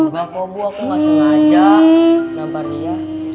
engga kok bu aku ga sengaja nampar dia